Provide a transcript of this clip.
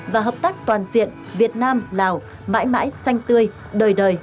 và hợp tác toàn diện việt nam lào mãi mãi xanh tươi đời đời